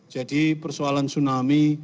jadi persoalan tsunami